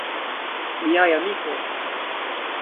Miaj amikoj.